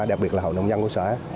đặc biệt là hậu đồng dân của xóa